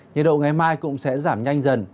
nhiệt độ ngày mai cũng sẽ giảm nhanh dần